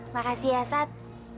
makasih ya sat